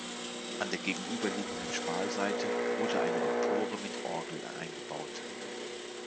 An der gegenüberliegenden Schmalseite wurde eine Empore mit Orgel eingebaut.